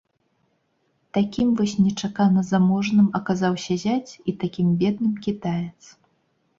Такім вось нечакана заможным аказаўся зяць і такім бедным кітаец.